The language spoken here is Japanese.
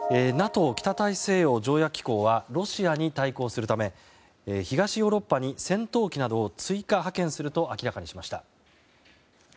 ＮＡＴＯ・北大西洋条約機構はロシアに対抗するため東ヨーロッパに戦闘機などを追加派遣すると明らかにしました。